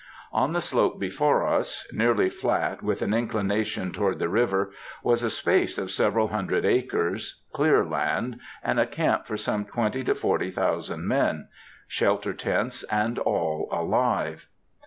On the slope before us—nearly flat, with an inclination toward the river—was a space of several hundred acres, clear land, and a camp for some twenty to forty thousand men; shelter tents, and all alive.